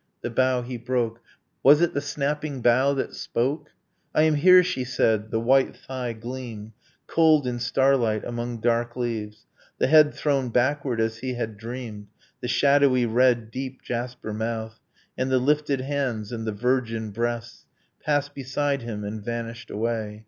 The bough he broke Was it the snapping bough that spoke? I am here! she said. The white thigh gleamed Cold in starlight among dark leaves, The head thrown backward as he had dreamed, The shadowy red deep jasper mouth; And the lifted hands, and the virgin breasts, Passed beside him, and vanished away.